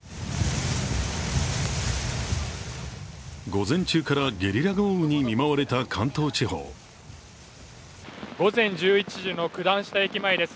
午前中からゲリラ豪雨に見舞われた関東地方午前１１時の九段下駅前です。